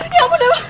ya ampun dewa